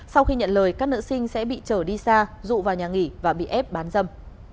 sau khi nhận lời các nữ sinh sẽ bị trở đi xa dụ vào nhà nghỉ và bị ép bán dâm